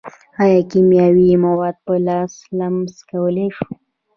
ایا کیمیاوي مواد په لاس لمس کولی شو.